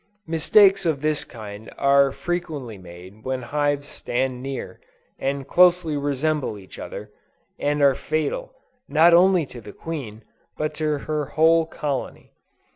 Mistakes of this kind are frequently made when the hives stand near, and closely resemble each other, and are fatal, not only to the queen, but to her whole colony.